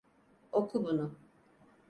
Oku bunu.